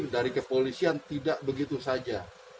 dari kepolisian tidak begitu saja